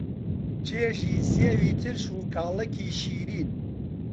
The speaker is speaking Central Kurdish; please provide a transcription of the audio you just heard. چێژی سێوی ترش و کاڵەکی شیرین